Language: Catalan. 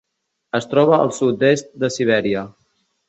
Es troba al sud-est de Sibèria.